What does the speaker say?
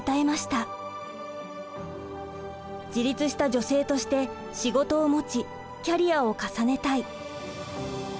自立した女性として仕事を持ちキャリアを重ねたい。